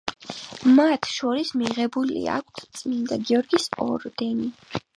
მათ შორის მიღებული აქვს წმინდა გიორგის ორდენი.